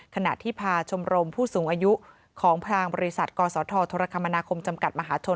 ขณะที่พาชมรมผู้สูงอายุของพรางบริษัทกศธรคมนาคมจำกัดมหาชน